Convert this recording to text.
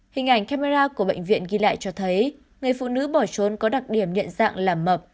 hình ảnh camera của bệnh viện ghi lại cho thấy người phụ nữ bỏ trốn có đặc điểm nhận dạng là mập